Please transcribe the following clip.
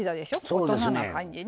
大人な感じね。